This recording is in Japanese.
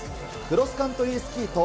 クロスカントリー